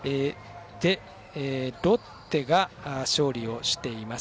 ロッテが勝利をしています。